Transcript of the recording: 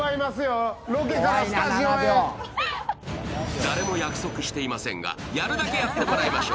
誰も約束していませんがやるだけやってもらいましょう。